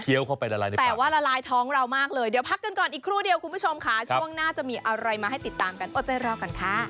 เคี้ยวตรงเข้าไปละลายในปาก